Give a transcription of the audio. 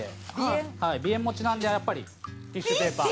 鼻炎持ちなんでやっぱりティッシュペーパー。